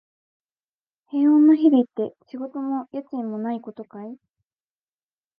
平穏な日々って、仕事も家賃もないことかい？